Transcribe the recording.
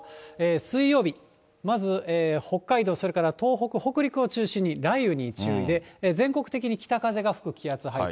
水曜日、まず北海道、それから東北、北陸を中心に雷雨に注意で、全国的に北風が吹く気圧配置。